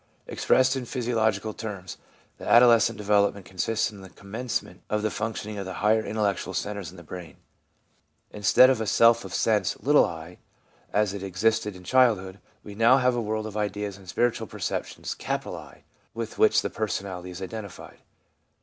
Expressed in physiological terms, the adoles cent development consists in the commencement of the functioning of the higher intellectual centres in the brain. Instead of a self of sense, *i' as it existed in childhood, we have now a world of ideas and spiritual perceptions, ' I ' with which the personality is identified.